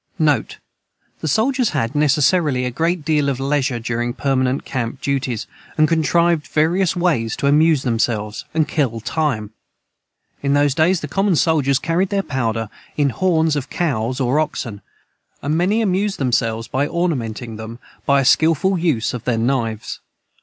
NOTE. The soldiers had, necessarily, a great deal of leisure during permanent camp duties, and contrived various ways to amuse themselves, and "kill time." In those days the common soldiers carried their powder in the horns of cows or oxen, and many amused themselves by ornamenting them by a skilful use of their knives.